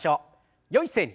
よい姿勢に。